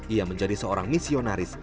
ia menjadi seorang misionaris